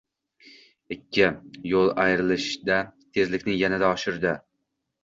Ikki yo’l ayrilishida tezlikni yanada oshirdi.